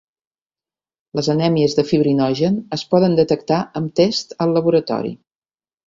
Les anèmies de fibrinogen es poden detectar amb tests al laboratori.